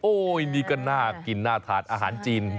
นี่ก็น่ากินน่าทานอาหารจีน